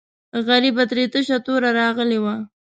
غریبه ترې تشه توره راغلې وه.